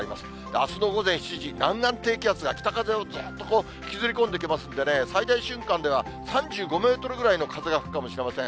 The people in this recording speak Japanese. あすの午前７時、南岸低気圧が北風をずーっとこう、引きずり込んできますんでね、最大瞬間では３５メートルぐらいの風が吹くかもしれません。